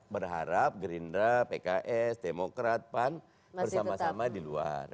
berharap gerindra pks demokrat pan bersama sama di luar